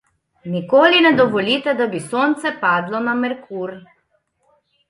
Nikoli ne dovolite, da bi sonce padlo na Merkur.